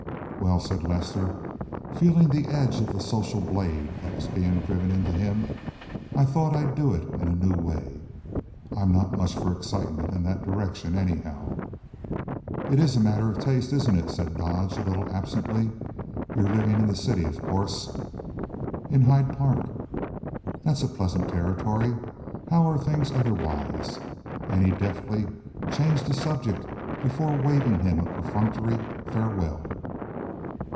"Well," said Lester, feeling the edge of the social blade that was being driven into him, "I thought I'd do it in a new way. I'm not much for excitement in that direction, anyhow." "It is a matter of taste, isn't it?" said Dodge a little absently. "You're living in the city, of course?" "In Hyde Park." "That's a pleasant territory. How are things otherwise?" And he deftly changed the subject before waving him a perfunctory farewell.